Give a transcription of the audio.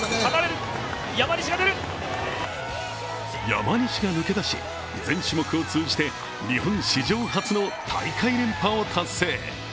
山西が抜け出し、全種目を通じて日本史上初の大会連覇を達成。